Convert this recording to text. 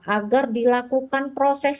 agar dilakukan proses